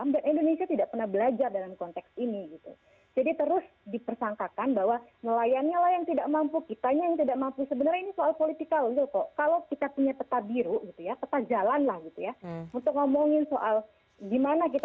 pun dengan hitung hitungan pajak